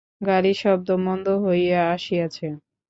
গাড়ির শব্দ মন্দ হইয়া আসিয়াছে।